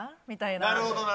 みたいな。